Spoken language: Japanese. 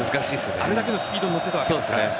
あれだけのスピードに乗ってるわけですからね。